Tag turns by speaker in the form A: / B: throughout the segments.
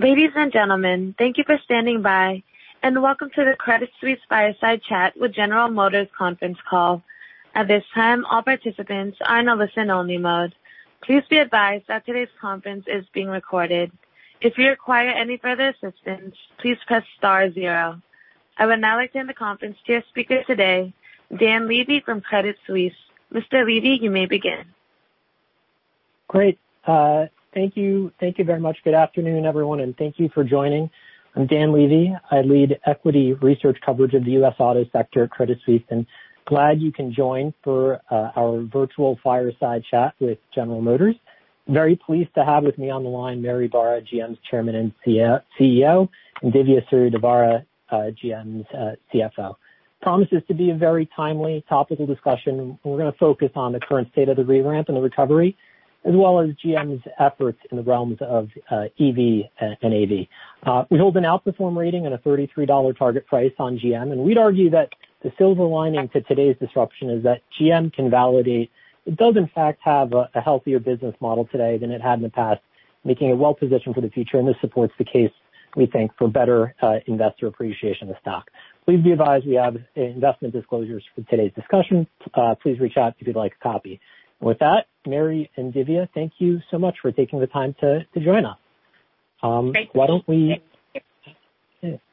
A: Ladies and gentlemen, thank you for standing by, and welcome to the Credit Suisse Fireside Chat with General Motors conference call. At this time, all participants are in a listen-only mode. Please be advised that today's conference is being recorded. If you require any further assistance, please press star zero. I would now like to hand the conference to your speaker today, Dan Levy from Credit Suisse. Mr. Levy, you may begin.
B: Great. Thank you. Thank you very much. Good afternoon, everyone, and thank you for joining. I'm Dan Levy. I lead equity research coverage of the U.S. auto sector at Credit Suisse, and glad you can join for our virtual fireside chat with General Motors. Very pleased to have with me on the line Mary Barra, GM's Chairman and CEO, and Dhivya Suryadevara, GM's CFO. Promises to be a very timely topic of discussion. We're going to focus on the current state of the re-ramp and the recovery, as well as GM's efforts in the realms of EV and AV. We hold an outperform rating and a $33 target price on GM, and we'd argue that the silver lining to today's disruption is that GM can validate it does in fact have a healthier business model today than it had in the past, making it well-positioned for the future, and this supports the case, we think, for better investor appreciation of stock. Please be advised we have investment disclosures for today's discussion. Please reach out if you'd like a copy. With that, Mary and Dhivya, thank you so much for taking the time to join us.
C: Thank you.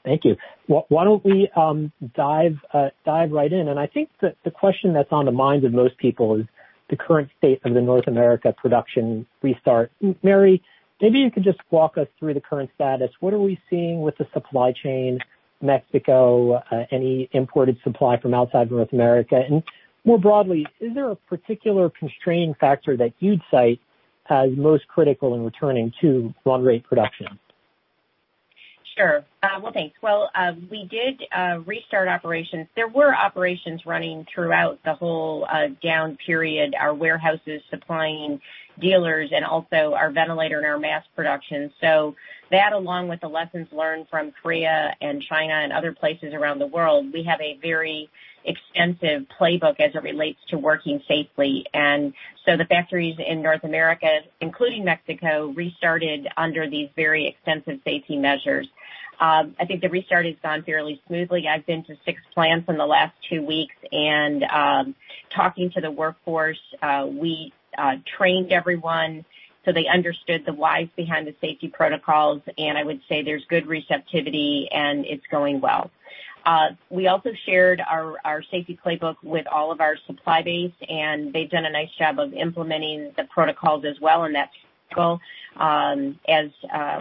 B: Thank you. Why don't we dive right in? I think that the question that's on the minds of most people is the current state of the North America production restart. Mary, maybe you could just walk us through the current status. What are we seeing with the supply chain, Mexico, any imported supply from outside North America, and more broadly, is there a particular constraining factor that you'd cite as most critical in returning to broad rate production?
C: Sure. Well, thanks. Well, we did restart operations. There were operations running throughout the whole down period, our warehouses supplying dealers, and also our ventilator and our mask production. That, along with the lessons learned from Korea and China and other places around the world, we have a very extensive playbook as it relates to working safely. The factories in North America, including Mexico, restarted under these very extensive safety measures. I think the restart has gone fairly smoothly. I've been to six plants in the last two weeks, and talking to the workforce, we trained everyone so they understood the whys behind the safety protocols, and I would say there's good receptivity, and it's going well. We also shared our safety playbook with all of our supply base, and they've done a nice job of implementing the protocols as well in that as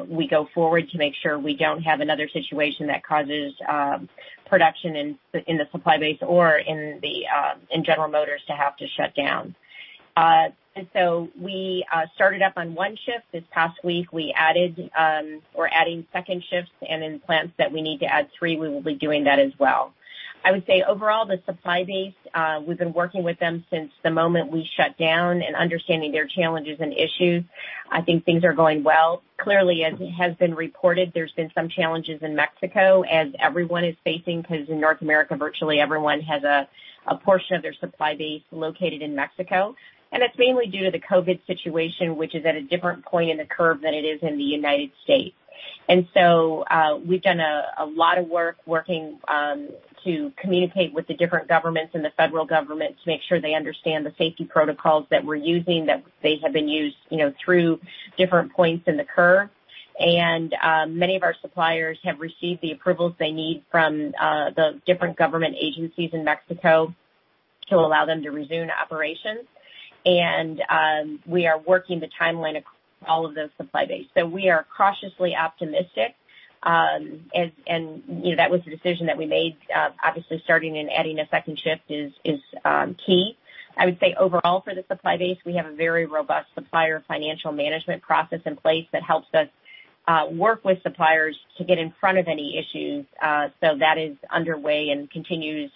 C: we go forward to make sure we don't have another situation that causes production in the supply base or in General Motors to have to shut down. We started up on one shift this past week. We're adding second shifts, and in plants that we need to add three, we will be doing that as well. I would say overall, the supply base, we've been working with them since the moment we shut down and understanding their challenges and issues. I think things are going well. Clearly, as has been reported, there's been some challenges in Mexico, as everyone is facing, because in North America, virtually everyone has a portion of their supply base located in Mexico. It's mainly due to the COVID situation, which is at a different point in the curve than it is in the United States. We've done a lot of work working to communicate with the different governments and the federal government to make sure they understand the safety protocols that we're using, that they have been used through different points in the curve. Many of our suppliers have received the approvals they need from the different government agencies in Mexico to allow them to resume operations. We are working the timeline across all of the supply base. We are cautiously optimistic. That was the decision that we made. Obviously, starting and adding a second shift is key. I would say overall for the supply base, we have a very robust supplier financial management process in place that helps us work with suppliers to get in front of any issues. That is underway and continues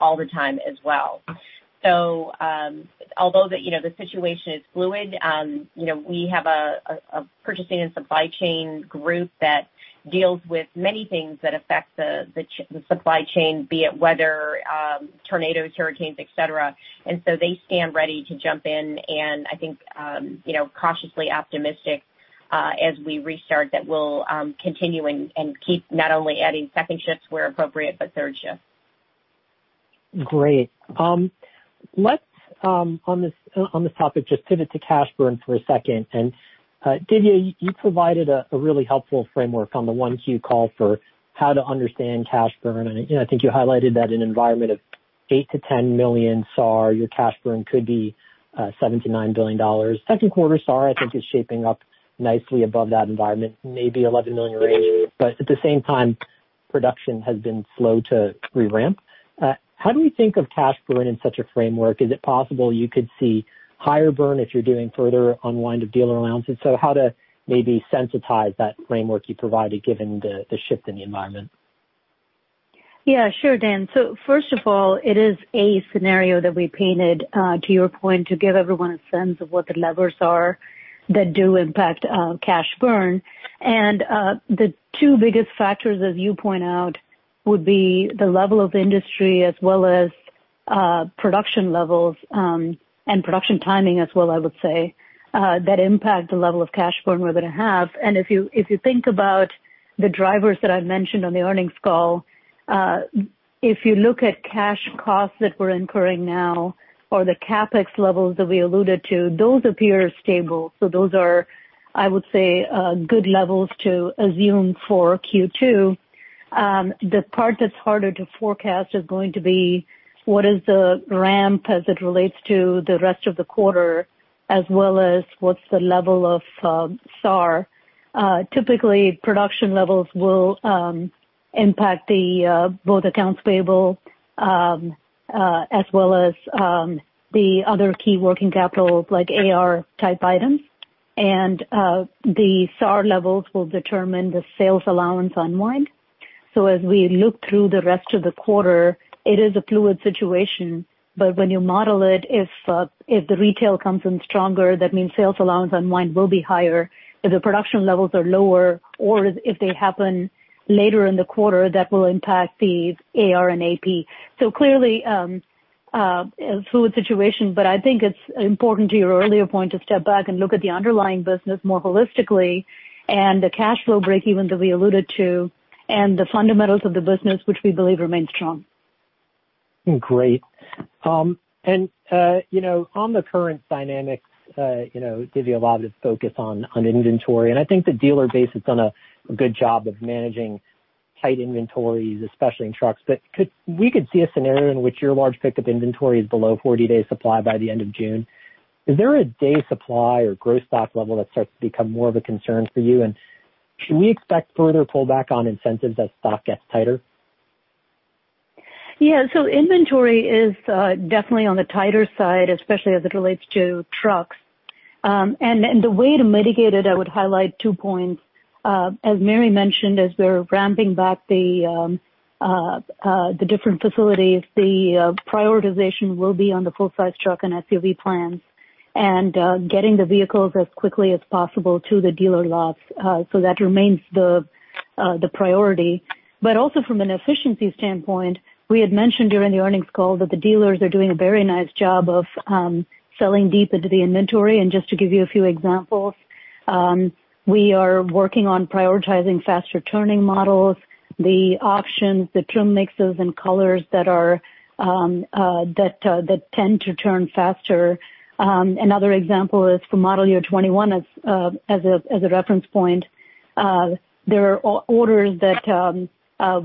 C: all the time as well. Although the situation is fluid, we have a purchasing and supply chain group that deals with many things that affect the supply chain, be it weather, tornadoes, hurricanes, et cetera. They stand ready to jump in, and I think cautiously optimistic as we restart that we'll continue and keep not only adding second shifts where appropriate, but third shifts.
B: Great. Let's, on this topic, just pivot to cash burn for a second. Dhivya, you provided a really helpful framework on the Q1 call for how to understand cash burn, I think you highlighted that an environment of 8-10 million SAAR, your cash burn could be $7 billion-$9 billion. Second quarter SAAR, I think, is shaping up nicely above that environment, maybe 11 million range. At the same time, production has been slow to re-ramp. How do we think of cash burn in such a framework? Is it possible you could see higher burn if you're doing further unwind of dealer allowances? How to maybe sensitize that framework you provided, given the shift in the environment.
D: Yeah. Sure, Dan. First of all, it is a scenario that we painted, to your point, to give everyone a sense of what the levers are that do impact cash burn. The two biggest factors, as you point out, would be the level of industry as well as production levels and production timing as well, I would say, that impact the level of cash burn we're going to have. If you think about the drivers that I've mentioned on the earnings call, if you look at cash costs that we're incurring now, or the CapEx levels that we alluded to, those appear stable. Those are, I would say, good levels to assume for Q2. The part that's harder to forecast is going to be what is the ramp as it relates to the rest of the quarter, as well as what's the level of SAAR. Typically, production levels will impact both accounts payable as well as the other key working capital, like AR type items. The SAAR levels will determine the sales allowance unwind. As we look through the rest of the quarter, it is a fluid situation, but when you model it, if the retail comes in stronger, that means sales allowance unwind will be higher. If the production levels are lower or if they happen later in the quarter, that will impact the AR and AP. Clearly, a fluid situation, but I think it's important to your earlier point to step back and look at the underlying business more holistically and the cash flow breakeven that we alluded to and the fundamentals of the business, which we believe remain strong.
B: Great. On the current dynamics, Dhivya, a lot of the focus on inventory, and I think the dealer base has done a good job of managing tight inventories, especially in trucks. We could see a scenario in which your large pickup inventory is below 40-day supply by the end of June. Is there a day supply or gross stock level that starts to become more of a concern for you? Should we expect further pullback on incentives as stock gets tighter?
D: Yeah. Inventory is definitely on the tighter side, especially as it relates to trucks. The way to mitigate it, I would highlight two points. As Mary mentioned, as we're ramping back the different facilities, the prioritization will be on the full-size truck and SUV plans and getting the vehicles as quickly as possible to the dealer lots. That remains the priority. Also from an efficiency standpoint, we had mentioned during the earnings call that the dealers are doing a very nice job of selling deep into the inventory. Just to give you a few examples, we are working on prioritizing faster turning models, the options, the trim mixes, and colors that tend to turn faster. Another example is for model year 2021 as a reference point, there are orders that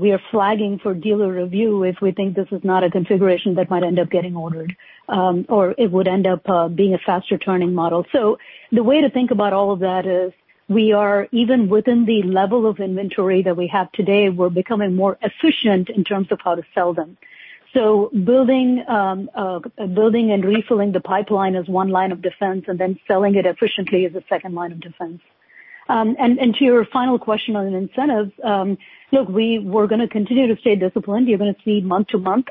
D: we are flagging for dealer review if we think this is not a configuration that might end up getting ordered, or it would end up being a faster turning model. The way to think about all of that is we are, even within the level of inventory that we have today, we're becoming more efficient in terms of how to sell them. Building and refilling the pipeline is one line of defense, and then selling it efficiently is a second line of defense. To your final question on incentives, look, we're going to continue to stay disciplined. You're going to see month-to-month.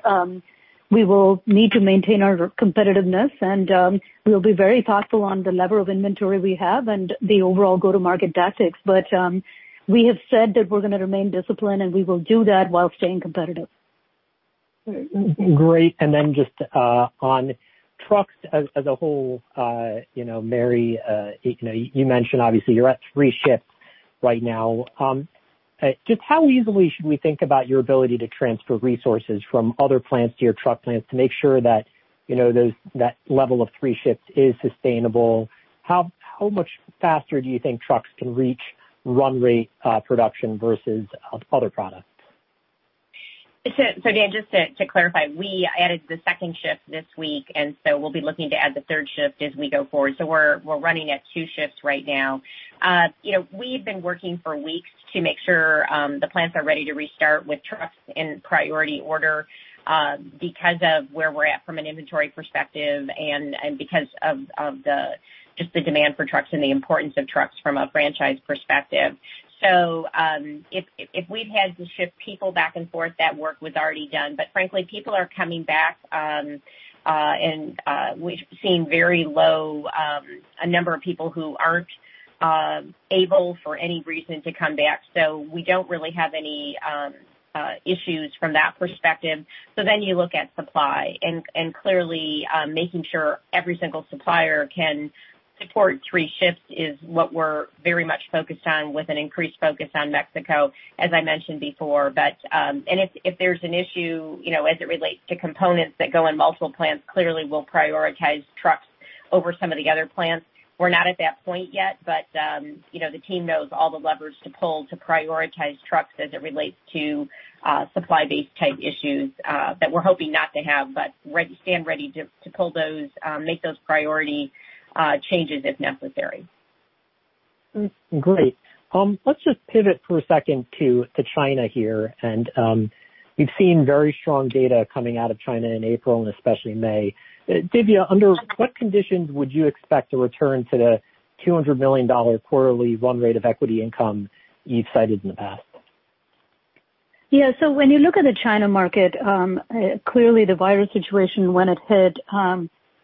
D: We will need to maintain our competitiveness, and we'll be very thoughtful on the level of inventory we have and the overall go-to-market tactics. We have said that we're going to remain disciplined, and we will do that while staying competitive.
B: Great. Just on trucks as a whole, Mary, you mentioned obviously you're at three shifts right now. Just how easily should we think about your ability to transfer resources from other plants to your truck plants to make sure that that level of three shifts is sustainable. How much faster do you think trucks can reach run rate production versus other products?
C: Dan, just to clarify, we added the second shift this week, and so we'll be looking to add the third shift as we go forward. We're running at two shifts right now. We've been working for weeks to make sure the plants are ready to restart with trucks in priority order because of where we're at from an inventory perspective and because of just the demand for trucks and the importance of trucks from a franchise perspective. If we'd had to shift people back and forth, that work was already done. Frankly, people are coming back, and we've seen very low, a number of people who aren't able for any reason to come back. We don't really have any issues from that perspective. You look at supply, and clearly, making sure every single supplier can support three shifts is what we're very much focused on with an increased focus on Mexico, as I mentioned before. If there's an issue as it relates to components that go in multiple plants, clearly we'll prioritize trucks over some of the other plants. We're not at that point yet, but the team knows all the levers to pull to prioritize trucks as it relates to supply base type issues that we're hoping not to have, but stand ready to pull those, make those priority changes if necessary.
B: Great. Let's just pivot for a second to China here. We've seen very strong data coming out of China in April and especially May. Dhivya, under what conditions would you expect a return to the $200 million quarterly run rate of equity income you've cited in the past?
D: Yeah. When you look at the China market, clearly the virus situation, when it hit,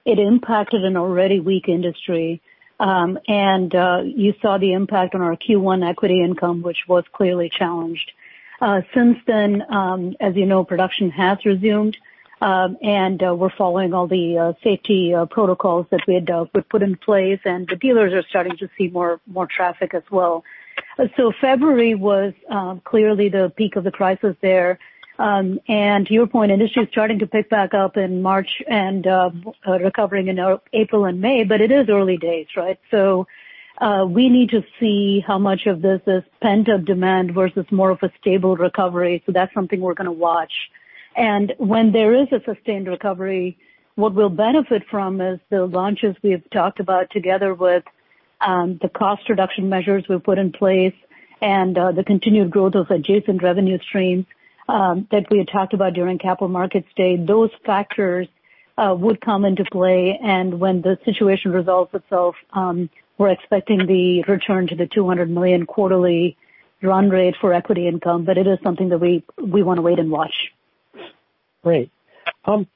D: it impacted an already weak industry. You saw the impact on our Q1 equity income, which was clearly challenged. Since then, as you know, production has resumed. We're following all the safety protocols that we had put in place, and the dealers are starting to see more traffic as well. February was clearly the peak of the crisis there. To your point, industry is starting to pick back up in March and recovering in April and May, but it is early days, right? We need to see how much of this is pent-up demand versus more of a stable recovery. That's something we're going to watch. When there is a sustained recovery, what we'll benefit from is the launches we have talked about together with the cost reduction measures we've put in place and the continued growth of adjacent revenue streams that we had talked about during Capital Markets Day. Those factors would come into play. When the situation resolves itself, we're expecting the return to the $200 million quarterly run rate for equity income. It is something that we want to wait and watch.
B: Great.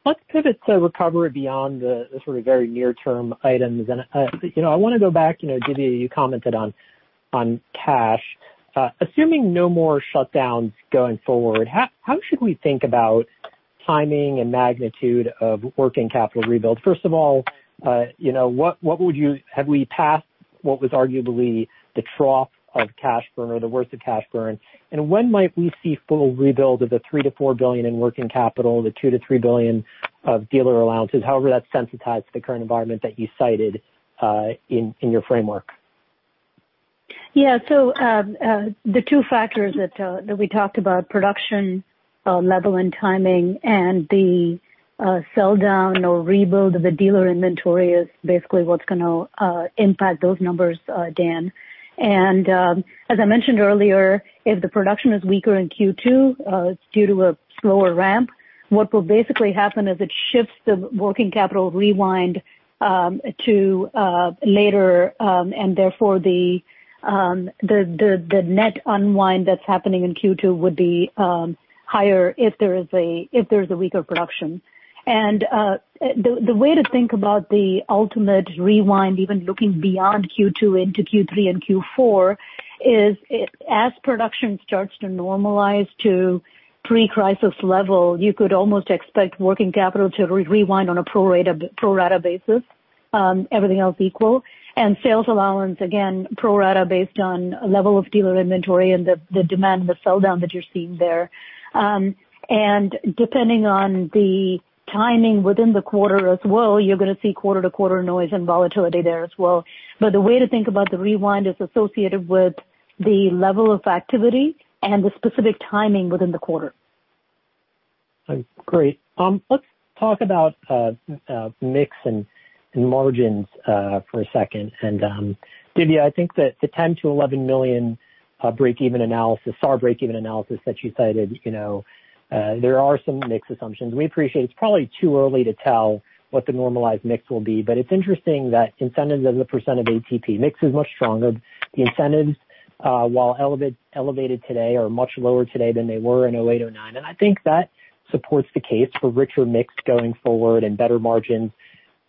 B: Let's pivot to recovery beyond the sort of very near-term items. I want to go back, Dhivya, you commented on cash. Assuming no more shutdowns going forward, how should we think about timing and magnitude of working capital rebuild? First of all, have we passed what was arguably the trough of cash burn or the worst of cash burn? When might we see full rebuild of the $3 billion-$4 billion in working capital, the $2 billion-$3 billion of dealer allowances, however that's sensitized to the current environment that you cited in your framework?
D: The two factors that we talked about, production level and timing, and the sell-down or rebuild of the dealer inventory is basically what's going to impact those numbers, Dan. As I mentioned earlier, if the production is weaker in Q2, it's due to a slower ramp. What will basically happen is it shifts the working capital rewind to later, and therefore the net unwind that's happening in Q2 would be higher if there's a weaker production. The way to think about the ultimate rewind, even looking beyond Q2 into Q3 and Q4 is, as production starts to normalize to pre-crisis level, you could almost expect working capital to rewind on a pro-rata basis, everything else equal. Sales allowance, again, pro rata based on level of dealer inventory and the demand, the sell-down that you're seeing there. Depending on the timing within the quarter as well, you're going to see quarter-to-quarter noise and volatility there as well. The way to think about the rewind is associated with the level of activity and the specific timing within the quarter.
B: Great. Let's talk about mix and margins for a second. Dhivya, I think that the $10 million-$11 million break-even analysis, SAAR break-even analysis that you cited, there are some mix assumptions. We appreciate it's probably too early to tell what the normalized mix will be, but it's interesting that incentives as a percentage of ATP mix is much stronger. The incentives, while elevated today, are much lower today than they were in 2008, 2009. I think that supports the case for richer mix going forward and better margins.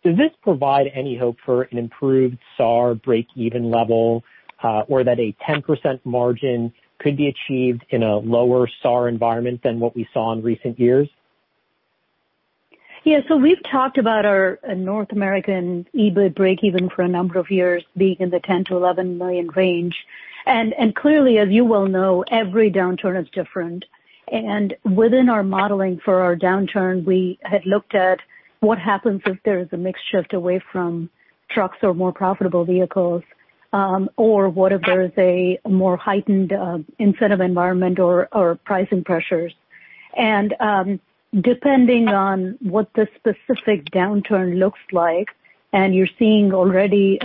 B: Does this provide any hope for an improved SAAR break-even level? Or that a 10% margin could be achieved in a lower SAAR environment than what we saw in recent years?
D: Yeah. We've talked about our North American EBIT break-even for a number of years being in the $10 million-$11 million range. Clearly, as you well know, every downturn is different. Within our modeling for our downturn, we had looked at what happens if there is a mix shift away from trucks or more profitable vehicles, or what if there is a more heightened incentive environment or pricing pressures. Depending on what the specific downturn looks like, and you're seeing already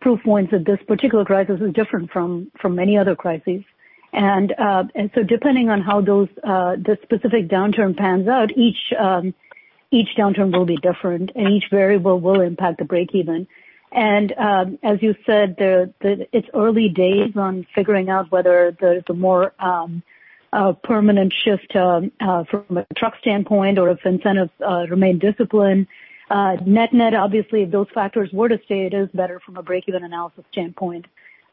D: proof points that this particular crisis is different from many other crises. Depending on how the specific downturn pans out, each downturn will be different and each variable will impact the break-even. As you said, it's early days on figuring out whether the more permanent shift from a truck standpoint or if incentives remain disciplined. Net net, obviously, if those factors were to stay, it is better from a break-even analysis standpoint.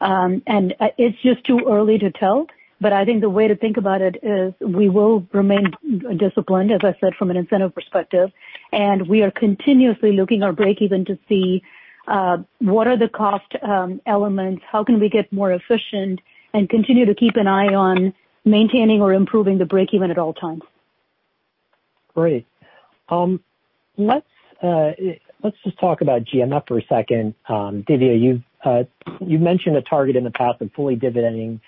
D: It's just too early to tell, but I think the way to think about it is we will remain disciplined, as I said, from an incentive perspective, and we are continuously looking our break-even to see what are the cost elements, how can we get more efficient, and continue to keep an eye on maintaining or improving the break-even at all times.
B: Great. Let's just talk about GMF for a second. Dhivya, you've mentioned a target in the past of fully dividending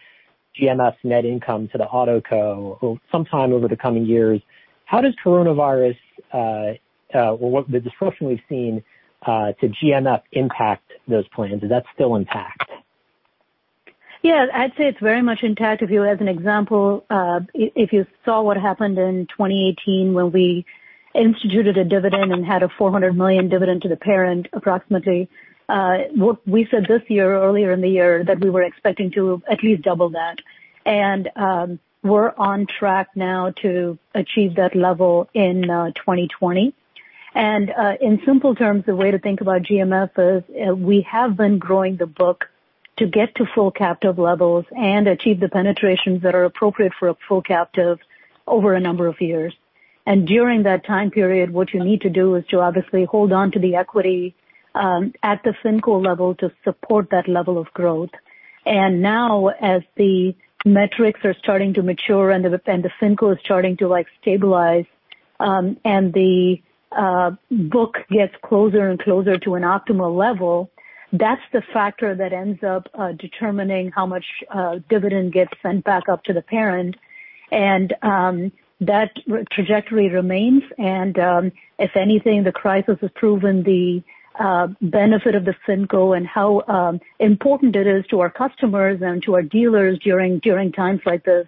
B: GMF's net income to the AutoCo sometime over the coming years. How does coronavirus, well, the disruption we've seen to GMF impact those plans? Is that still intact?
D: Yeah. I'd say it's very much intact. If you, as an example, if you saw what happened in 2018 when we instituted a dividend and had a $400 million dividend to the parent approximately. We said this year, earlier in the year, that we were expecting to at least double that. We're on track now to achieve that level in 2020. In simple terms, the way to think about GMF is we have been growing the book to get to full captive levels and achieve the penetrations that are appropriate for a full captive over a number of years. During that time period, what you need to do is to obviously hold onto the equity at the FinCo level to support that level of growth. Now, as the metrics are starting to mature and the FinCo is starting to stabilize, and the book gets closer and closer to an optimal level, that's the factor that ends up determining how much dividend gets sent back up to the parent. That trajectory remains. If anything, the crisis has proven the benefit of the FinCo and how important it is to our customers and to our dealers during times like this.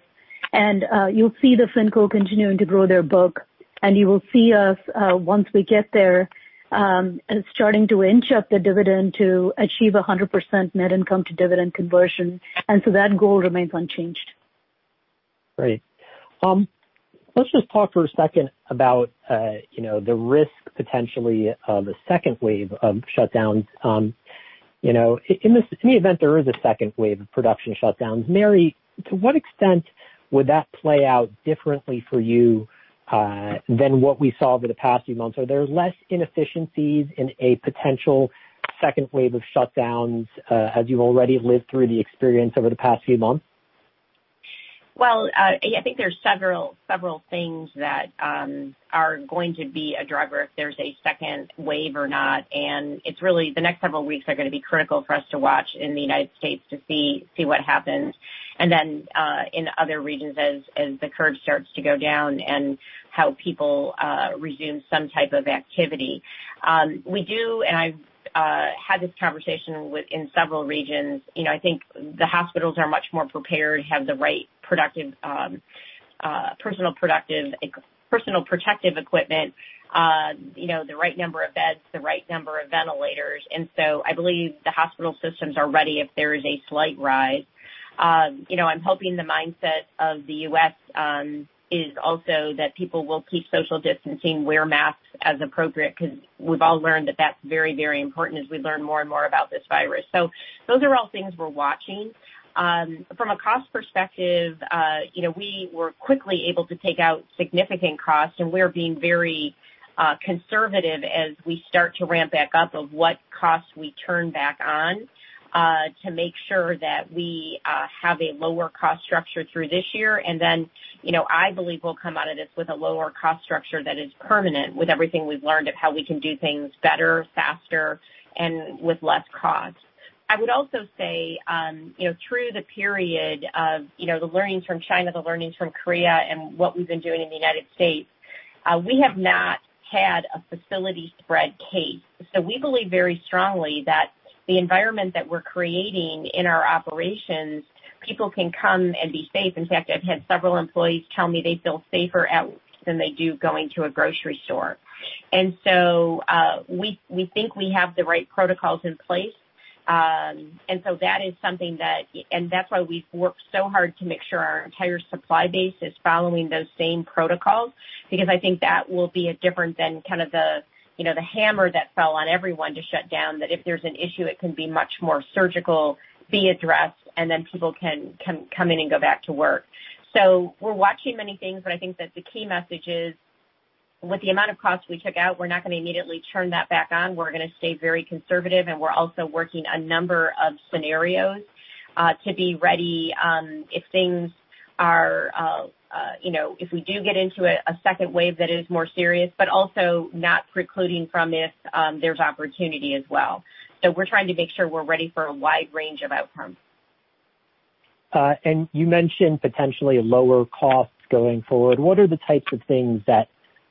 D: You'll see the FinCo continuing to grow their book, and you will see us, once we get there, starting to inch up the dividend to achieve 100% net income to dividend conversion. That goal remains unchanged.
B: Great. Let's just talk for a second about the risk, potentially, of a second wave of shutdowns. In the event there is a second wave of production shutdowns, Mary, to what extent would that play out differently for you than what we saw over the past few months? Are there less inefficiencies in a potential second wave of shutdowns, as you've already lived through the experience over the past few months?
C: Well, I think there's several things that are going to be a driver if there's a second wave or not, and it's really the next several weeks are going to be critical for us to watch in the U.S. to see what happens. In other regions, as the curve starts to go down and how people resume some type of activity. We do, and I've had this conversation within several regions, I think the hospitals are much more prepared, have the right personal protective equipment, the right number of beds, the right number of ventilators, I believe the hospital systems are ready if there is a slight rise. I'm hoping the mindset of the U.S. is also that people will keep social distancing, wear masks as appropriate, because we've all learned that that's very important as we learn more and more about this virus. Those are all things we're watching. From a cost perspective, we were quickly able to take out significant costs, and we're being very conservative as we start to ramp back up of what costs we turn back on to make sure that we have a lower cost structure through this year. I believe we'll come out of this with a lower cost structure that is permanent with everything we've learned of how we can do things better, faster, and with less cost. I would also say, through the period of the learnings from China, the learnings from Korea, and what we've been doing in the United States, we have not had a facility spread case. We believe very strongly that the environment that we're creating in our operations, people can come and be safe. In fact, I've had several employees tell me they feel safer at than they do going to a grocery store. We think we have the right protocols in place. That's why we've worked so hard to make sure our entire supply base is following those same protocols, because I think that will be different than kind of the hammer that fell on everyone to shut down. If there's an issue, it can be much more surgical, be addressed, and then people can come in and go back to work. We're watching many things, but I think that the key message is with the amount of costs we took out, we're not going to immediately turn that back on. We're going to stay very conservative, and we're also working a number of scenarios to be ready if we do get into a second wave that is more serious, but also not precluding from if there's opportunity as well. We're trying to make sure we're ready for a wide range of outcomes.
B: You mentioned potentially lower costs going forward. What are the types of things that,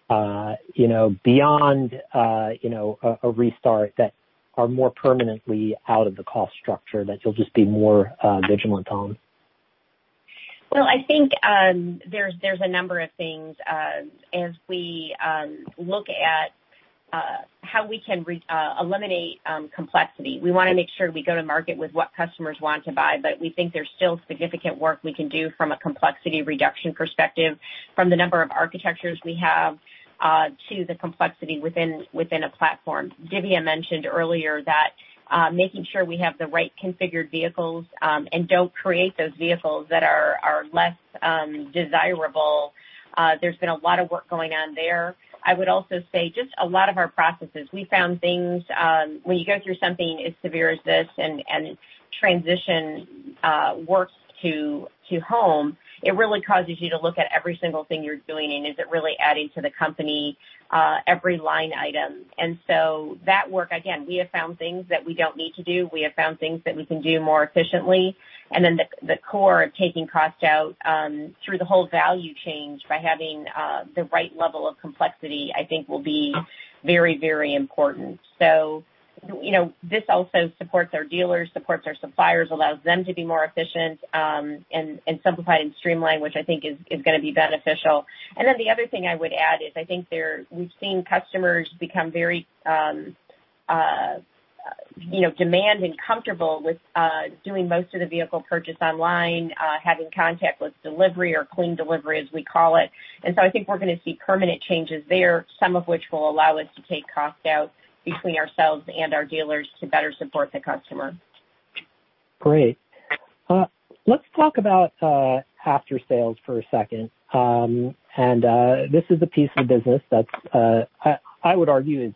B: beyond a restart, that are more permanently out of the cost structure that you'll just be more vigilant on?
C: Well, I think there's a number of things as we look at how we can eliminate complexity. We want to make sure we go to market with what customers want to buy, but we think there's still significant work we can do from a complexity reduction perspective from the number of architectures we have to the complexity within a platform. Dhivya mentioned earlier that making sure we have the right configured vehicles and don't create those vehicles that are less desirable. There's been a lot of work going on there. I would also say just a lot of our processes. We found things when you go through something as severe as this and transition works to home, it really causes you to look at every single thing you're doing and is it really adding to the company, every line item. That work, again, we have found things that we don't need to do. We have found things that we can do more efficiently. The core of taking cost out through the whole value chain by having the right level of complexity, I think will be very important. This also supports our dealers, supports our suppliers, allows them to be more efficient, and simplify and streamline, which I think is going to be beneficial. The other thing I would add is I think we've seen customers become very comfortable with doing most of the vehicle purchase online, having contactless delivery or clean delivery, as we call it. I think we're going to see permanent changes there, some of which will allow us to take cost out between ourselves and our dealers to better support the customer.
B: Great. Let's talk about aftersales for a second. This is a piece of business that I would argue is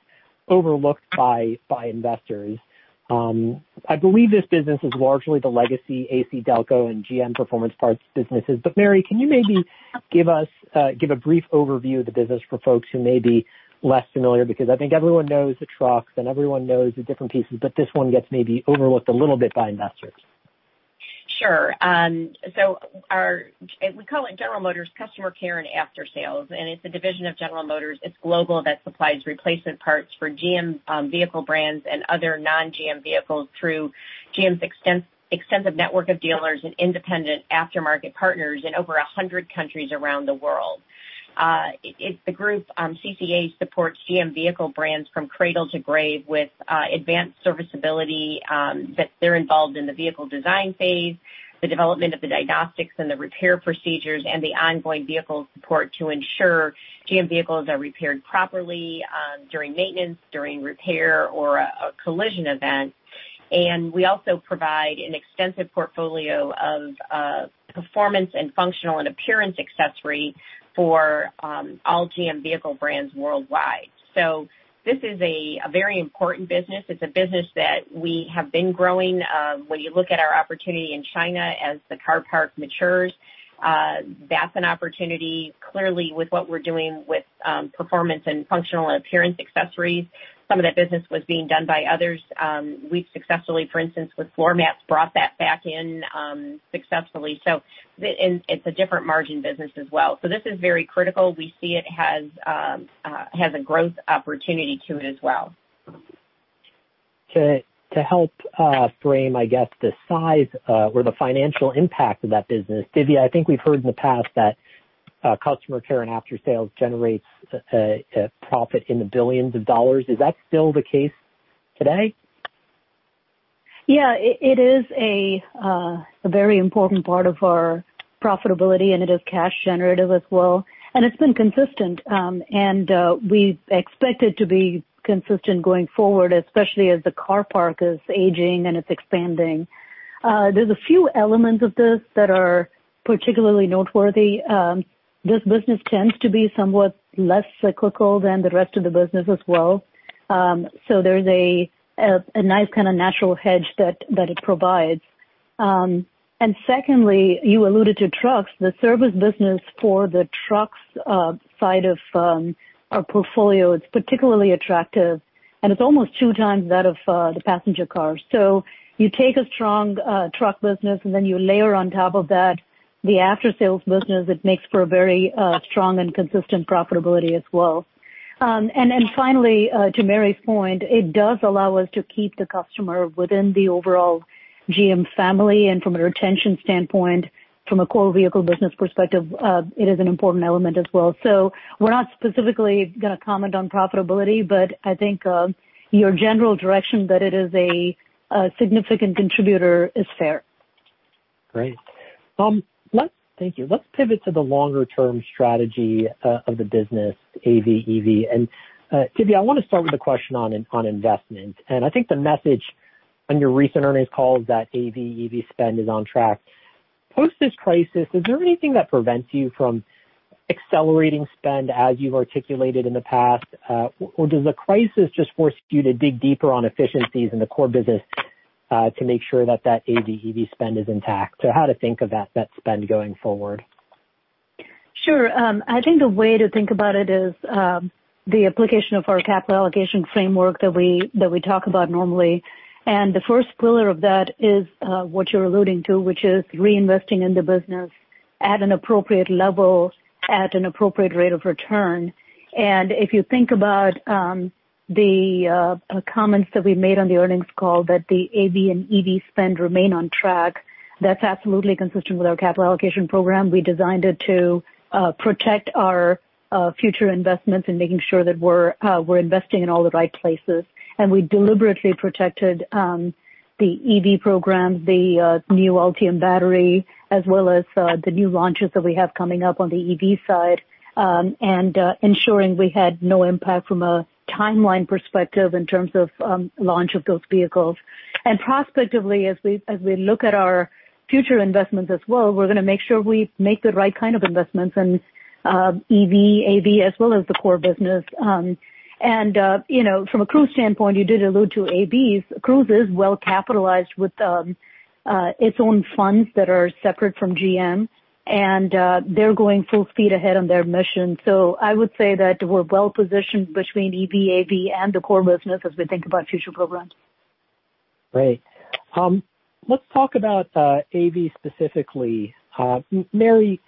B: overlooked by investors. I believe this business is largely the legacy ACDelco and GM Performance Parts businesses. Mary, can you maybe give a brief overview of the business for folks who may be less familiar? I think everyone knows the trucks and everyone knows the different pieces, but this one gets maybe overlooked a little bit by investors.
C: Sure. We call it General Motors Customer Care and Aftersales, and it's a division of General Motors. It's global, that supplies replacement parts for GM vehicle brands and other non-GM vehicles through GM's extensive network of dealers and independent aftermarket partners in over 100 countries around the world. The group CCA supports GM vehicle brands from cradle to grave with advanced serviceability, that they're involved in the vehicle design phase, the development of the diagnostics and the repair procedures, and the ongoing vehicle support to ensure GM vehicles are repaired properly during maintenance, during repair, or a collision event. We also provide an extensive portfolio of performance and functional and appearance accessories for all GM vehicle brands worldwide. This is a very important business. It's a business that we have been growing. When you look at our opportunity in China as the car parc matures, that's an opportunity. Clearly, with what we're doing with performance and functional and appearance accessories, some of that business was being done by others. We've successfully, for instance, with floor mats, brought that back in successfully. It's a different margin business as well. This is very critical. We see it has a growth opportunity to it as well.
B: To help frame, I guess, the size or the financial impact of that business, Dhivya, I think we've heard in the past that Customer Care and Aftersales generates a profit in the billions of dollars. Is that still the case today?
D: Yeah, it is a very important part of our profitability, and it is cash generative as well. It's been consistent, and we expect it to be consistent going forward, especially as the car park is aging and it's expanding. There's a few elements of this that are particularly noteworthy. This business tends to be somewhat less cyclical than the rest of the business as well. There's a nice kind of natural hedge that it provides. Secondly, you alluded to trucks. The service business for the trucks side of our portfolio is particularly attractive, and it's almost two times that of the passenger cars. You take a strong truck business and then you layer on top of that the aftersales business, it makes for a very strong and consistent profitability as well. Finally, to Mary's point, it does allow us to keep the customer within the overall GM family. From a retention standpoint, from a core vehicle business perspective, it is an important element as well. We're not specifically going to comment on profitability, but I think your general direction that it is a significant contributor is fair.
B: Great. Thank you. Let's pivot to the longer-term strategy of the business, AV/EV. Dhivya, I want to start with a question on investment. I think the message on your recent earnings call is that AV/EV spend is on track. Post this crisis, is there anything that prevents you from accelerating spend as you've articulated in the past? Does the crisis just force you to dig deeper on efficiencies in the core business to make sure that that AV/EV spend is intact? How to think of that spend going forward?
D: Sure. I think the way to think about it is the application of our capital allocation framework that we talk about normally. The first pillar of that is what you're alluding to, which is reinvesting in the business at an appropriate level, at an appropriate rate of return. If you think about the comments that we made on the earnings call, that the AV and EV spend remain on track, that's absolutely consistent with our capital allocation program. We designed it to protect our future investments in making sure that we're investing in all the right places. We deliberately protected the EV program, the new Ultium battery, as well as the new launches that we have coming up on the EV side, and ensuring we had no impact from a timeline perspective in terms of launch of those vehicles. Prospectively, as we look at our future investments as well, we're going to make sure we make the right kind of investments in EV, AV, as well as the core business. From a Cruise standpoint, you did allude to AVs. Cruise is well capitalized with its own funds that are separate from GM, and they're going full speed ahead on their mission. I would say that we're well positioned between EV, AV, and the core business as we think about future programs.
B: Great. Let's talk about AV specifically. Mary,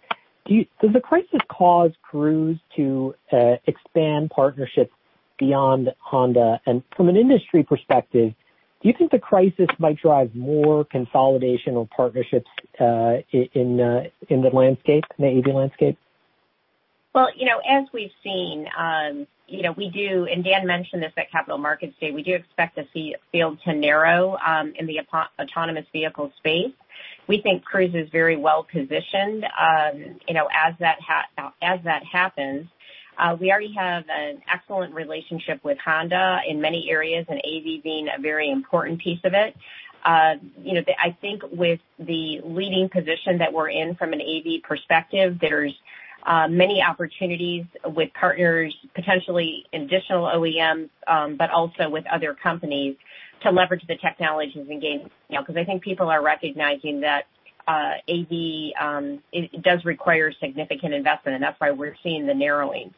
B: does the crisis cause Cruise to expand partnerships beyond Honda? From an industry perspective, do you think the crisis might drive more consolidation or partnerships in the AV landscape?
C: Well, as we've seen, we do, and Dan mentioned this at Capital Markets Day, we do expect to see a field to narrow in the autonomous vehicle space. We think Cruise is very well-positioned as that happens. We already have an excellent relationship with Honda in many areas, and AV being a very important piece of it. I think with the leading position that we're in from an AV perspective, there's many opportunities with partners, potentially additional OEMs, but also with other companies to leverage the technologies and gain, because I think people are recognizing that AV does require significant investment, and that's why we're seeing the narrowing.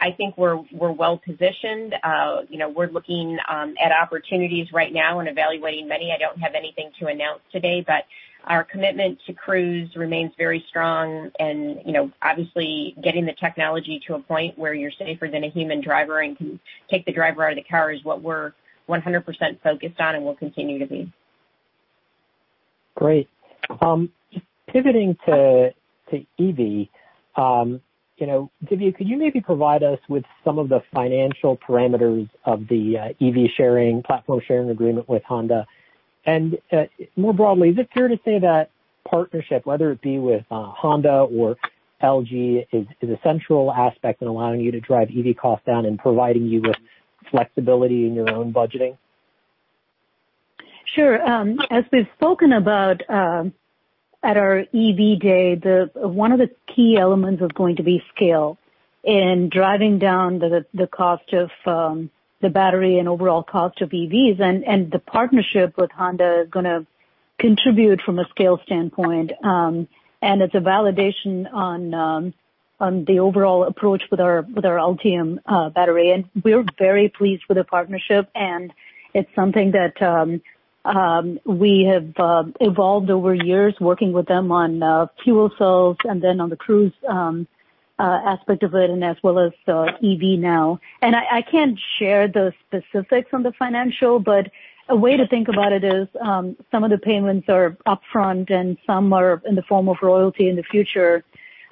C: I think we're well-positioned. We're looking at opportunities right now and evaluating many. I don't have anything to announce today, but our commitment to Cruise remains very strong and obviously getting the technology to a point where you're safer than a human driver and can take the driver out of the car is what we're 100% focused on and will continue to be.
B: Great. Just pivoting to EV. Dhivya, could you maybe provide us with some of the financial parameters of the EV sharing, platform sharing agreement with Honda? More broadly, is it fair to say that partnership, whether it be with Honda or LG, is a central aspect in allowing you to drive EV costs down and providing you with flexibility in your own budgeting?
D: Sure. As we've spoken about at our EV Day, one of the key elements is going to be scale and driving down the cost of the battery and overall cost of EVs. The partnership with Honda is going to contribute from a scale standpoint, and it's a validation on the overall approach with our Ultium battery. We're very pleased with the partnership, and it's something that we have evolved over years working with them on fuel cells and then on the Cruise aspect of it, and as well as EV now. I can't share those specifics on the financial, but a way to think about it is some of the payments are upfront, and some are in the form of royalty in the future.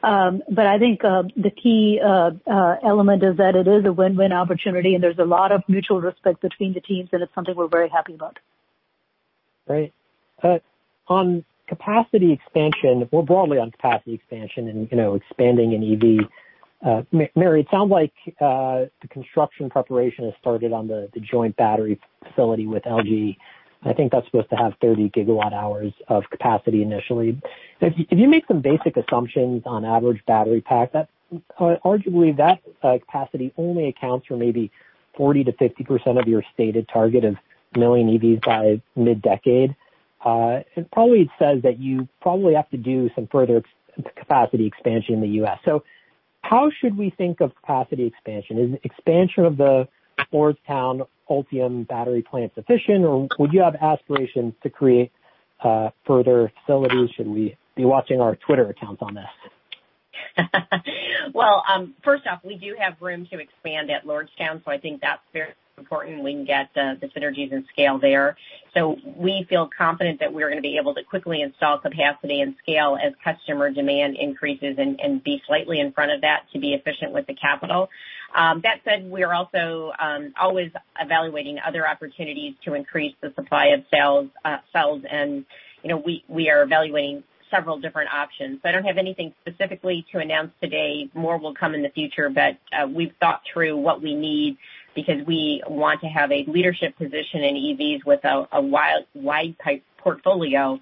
D: I think the key element is that it is a win-win opportunity, and there's a lot of mutual respect between the teams, and it's something we're very happy about.
B: Great. On capacity expansion, more broadly on capacity expansion and expanding in EV, Mary, it sounds like the construction preparation has started on the joint battery facility with LG. I think that's supposed to have 30 gigawatt hours of capacity initially. If you make some basic assumptions on average battery pack, arguably that capacity only accounts for maybe 40%-50% of your stated target of a million EVs by mid-decade. It probably says that you probably have to do some further capacity expansion in the U.S. How should we think of capacity expansion? Is expansion of the Lordstown Ultium battery plant sufficient, or would you have aspirations to create further facilities? Should we be watching our Twitter accounts on this?
C: Well, first off, we do have room to expand at Lordstown, so I think that's very important. We can get the synergies and scale there. We feel confident that we're going to be able to quickly install capacity and scale as customer demand increases and be slightly in front of that to be efficient with the capital. That said, we are also always evaluating other opportunities to increase the supply of cells, and we are evaluating several different options. I don't have anything specifically to announce today. More will come in the future, but we've thought through what we need because we want to have a leadership position in EVs with a wide type portfolio.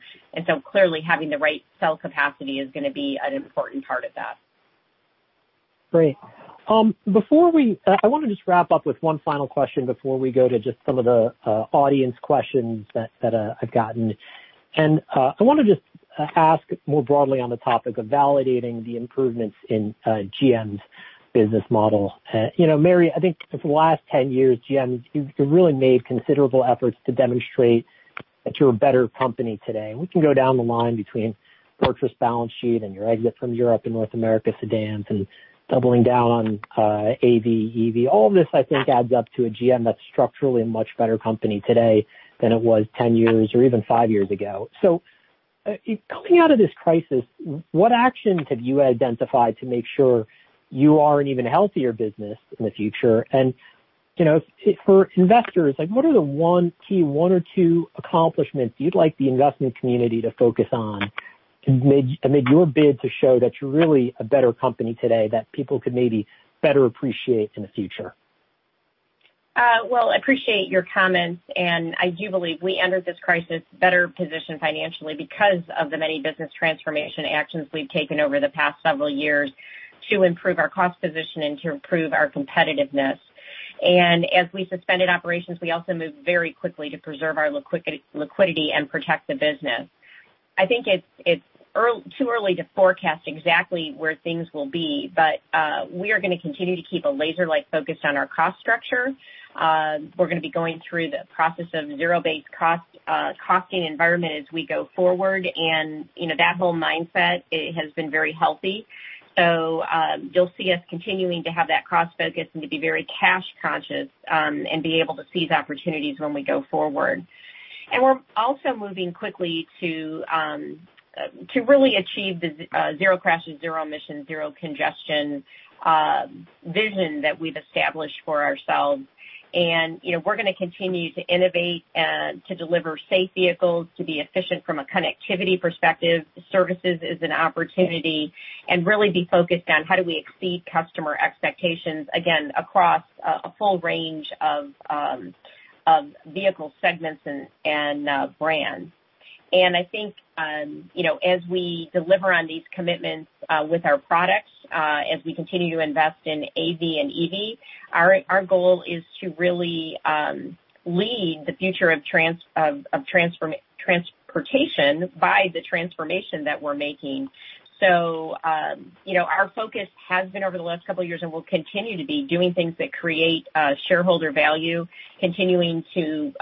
C: Clearly, having the right cell capacity is going to be an important part of that.
B: Great. I want to just wrap up with one final question before we go to just some of the audience questions that I've gotten. I want to just ask more broadly on the topic of validating the improvements in GM's business model. Mary, I think for the last 10 years, GM, you've really made considerable efforts to demonstrate that you're a better company today. We can go down the line between fortress balance sheet and your exit from Europe and North America sedans and doubling down on AV, EV. All this, I think, adds up to a GM that's structurally a much better company today than it was 10 years or even five years ago. Coming out of this crisis, what actions have you identified to make sure you are an even healthier business in the future? For investors, what are the one or two accomplishments you'd like the investment community to focus on to make your bid to show that you're really a better company today that people could maybe better appreciate in the future?
C: Well, I appreciate your comments, and I do believe we entered this crisis better positioned financially because of the many business transformation actions we've taken over the past several years to improve our cost position and to improve our competitiveness. As we suspended operations, we also moved very quickly to preserve our liquidity and protect the business. I think it's too early to forecast exactly where things will be, but we are going to continue to keep a laser-like focus on our cost structure. We're going to be going through the process of zero-based costing environment as we go forward. That whole mindset, it has been very healthy. You'll see us continuing to have that cost focus and to be very cash conscious, and be able to seize opportunities when we go forward. We're also moving quickly to really achieve the zero crashes, zero emissions, zero congestion vision that we've established for ourselves. We're going to continue to innovate, to deliver safe vehicles, to be efficient from a connectivity perspective, services is an opportunity, and really be focused on how do we exceed customer expectations, again, across a full range of vehicle segments and brands. I think as we deliver on these commitments with our products, as we continue to invest in AV and EV, our goal is to really lead the future of transportation by the transformation that we're making. Our focus has been over the last couple of years, and will continue to be, doing things that create shareholder value, continuing to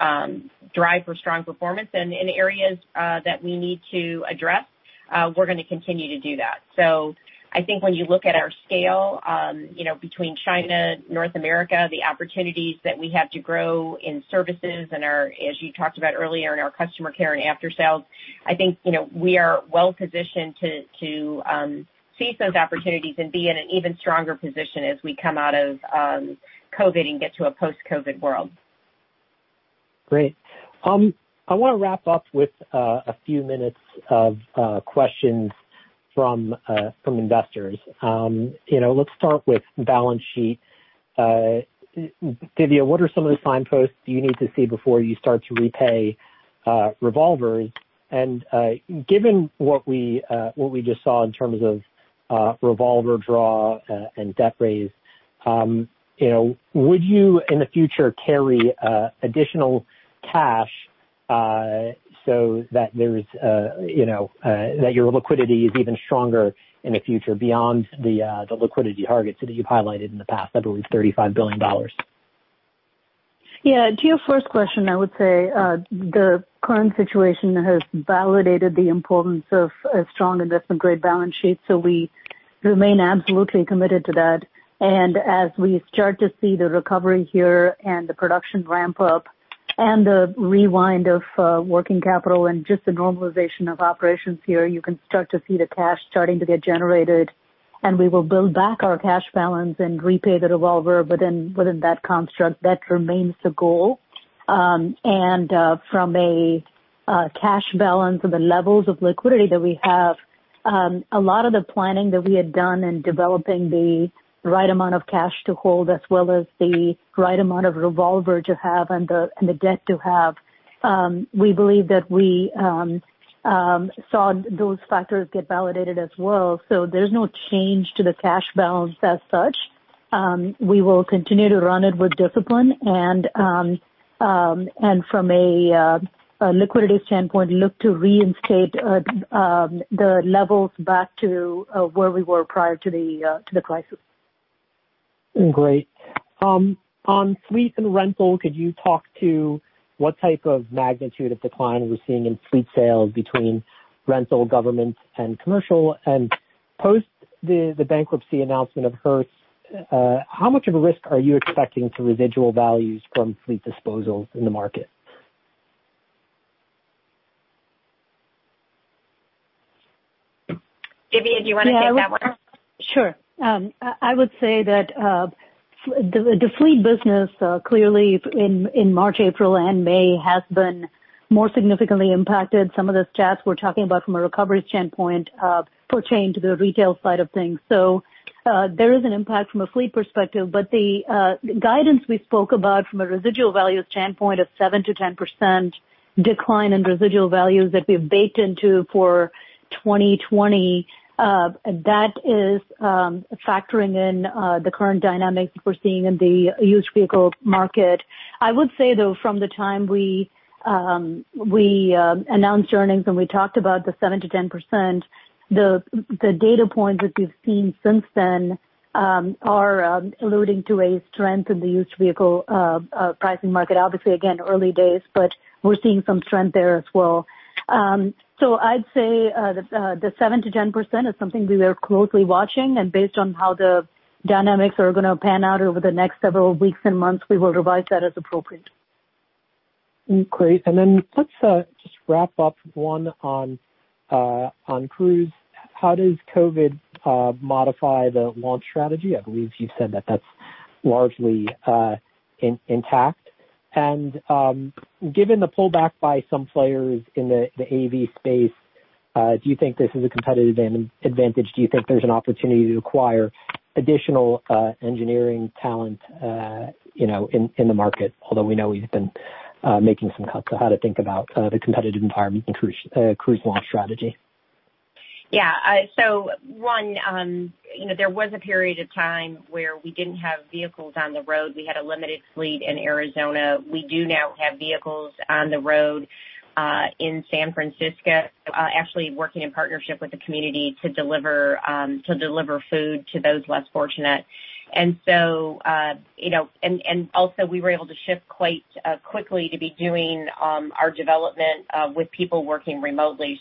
C: drive for strong performance in areas that we need to address. We're going to continue to do that. I think when you look at our scale between China, North America, the opportunities that we have to grow in services and our, as you talked about earlier, in our Customer Care and Aftersales, I think we are well-positioned to seize those opportunities and be in an even stronger position as we come out of COVID and get to a post-COVID world.
B: Great. I want to wrap up with a few minutes of questions from investors. Let's start with balance sheet. Dhivya, what are some of the signposts you need to see before you start to repay revolvers? Given what we just saw in terms of revolver draw and debt raise, would you, in the future, carry additional cash so that your liquidity is even stronger in the future beyond the liquidity targets that you've highlighted in the past, I believe $35 billion?
D: Yeah. To your first question, I would say the current situation has validated the importance of a strong investment-grade balance sheet. We remain absolutely committed to that. As we start to see the recovery here and the production ramp up and the rewind of working capital and just the normalization of operations here, you can start to see the cash starting to get generated, and we will build back our cash balance and repay the revolver. Within that construct, that remains the goal. From a cash balance and the levels of liquidity that we have, a lot of the planning that we had done in developing the right amount of cash to hold, as well as the right amount of revolver to have and the debt to have, we believe that we saw those factors get validated as well. There's no change to the cash balance as such. We will continue to run it with discipline and, from a liquidity standpoint, look to reinstate the levels back to where we were prior to the crisis.
B: Great. On fleet and rental, could you talk to what type of magnitude of decline we're seeing in fleet sales between rental, government, and commercial? Post the bankruptcy announcement of Hertz, how much of a risk are you expecting to residual values from fleet disposals in the market?
C: Dhivya, do you want to take that one?
D: Sure. I would say that the fleet business, clearly in March, April, and May, has been more significantly impacted. Some of the stats we're talking about from a recovery standpoint pertain to the retail side of things. There is an impact from a fleet perspective. The guidance we spoke about from a residual values standpoint of 7%-10% decline in residual values that we have baked into for 2020, that is factoring in the current dynamics that we're seeing in the used vehicle market. I would say, though, from the time we announced earnings and we talked about the 7%-10%, the data points that we've seen since then are alluding to a strength in the used vehicle pricing market. Obviously, again, early days, but we're seeing some strength there as well. I'd say the 7% to 10% is something we are closely watching, and based on how the dynamics are going to pan out over the next several weeks and months, we will revise that as appropriate.
B: Great. Let's just wrap up, one on Cruise. How does COVID modify the launch strategy? I believe you've said that that's largely intact. Given the pullback by some players in the AV space, do you think this is a competitive advantage? Do you think there's an opportunity to acquire additional engineering talent in the market? Although we know you've been making some cuts. How to think about the competitive environment in Cruise launch strategy.
C: There was a period of time where we didn't have vehicles on the road. We had a limited fleet in Arizona. We do now have vehicles on the road in San Francisco, actually working in partnership with the community to deliver food to those less fortunate. Also, we were able to shift quite quickly to be doing our development with people working remotely.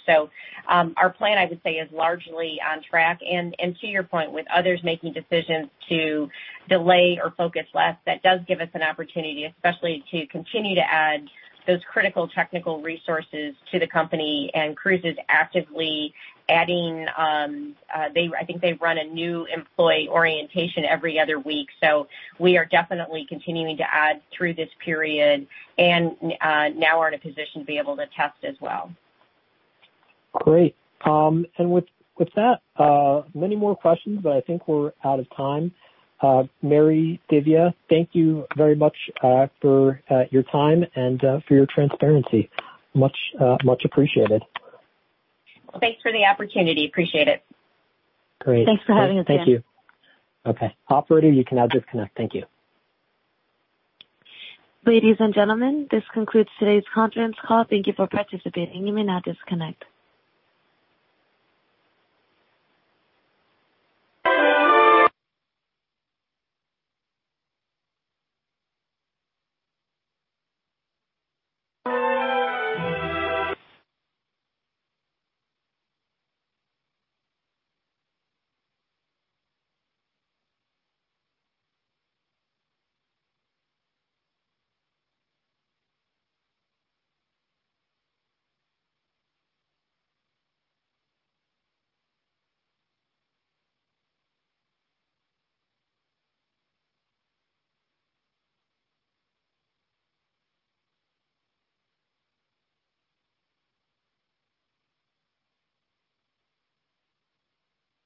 C: Our plan, I would say, is largely on track. To your point, with others making decisions to delay or focus less, that does give us an opportunity, especially to continue to add those critical technical resources to the company. Cruise is actively adding, I think they run a new employee orientation every other week. We are definitely continuing to add through this period and now are in a position to be able to test as well.
B: Great. With that, many more questions, but I think we're out of time. Mary, Dhivya, thank you very much for your time and for your transparency. Much appreciated.
C: Thanks for the opportunity. Appreciate it.
B: Great.
D: Thanks for having us, Dan.
B: Thank you. Okay. Operator, you can now disconnect. Thank you.
A: Ladies and gentlemen, this concludes today's conference call. Thank you for participating. You may now disconnect.